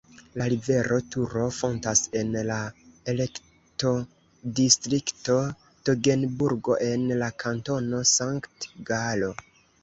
La rivero Turo fontas en la elektodistrikto Togenburgo en la Kantono Sankt-Galo.